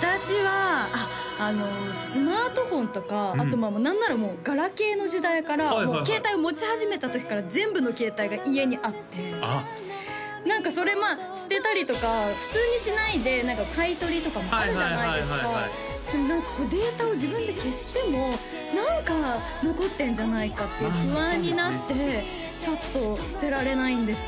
私はあっあのスマートフォンとかあと何ならガラケーの時代から携帯を持ち始めた時から全部の携帯が家にあって何かそれ捨てたりとか普通にしないで買い取りとかもあるじゃないですかでも何かデータを自分で消しても何か残ってんじゃないかって不安になってちょっと捨てられないんですよね